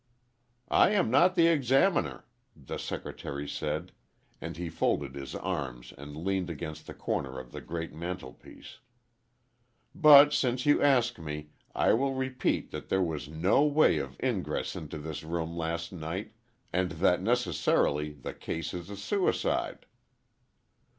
"I am not the Examiner," the Secretary said, and he folded his arms and leaned against the corner of the great mantelpiece; "but since you ask me, I will repeat that there was no way of ingress into this room last night, and that necessarily, the case is a suicide."